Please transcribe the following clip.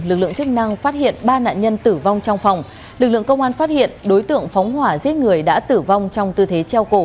lực lượng công an phát hiện đối tượng phóng hỏa giết người đã tử vong trong tư thế treo cổ